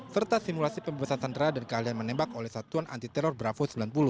serta simulasi pembebasan sandera dan keahlian menembak oleh satuan anti teror bravo sembilan puluh